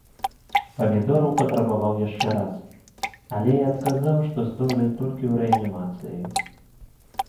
Памідораў патрабаваў яшчэ раз, але я адказаў, што здолею толькі ў рэанімацыі.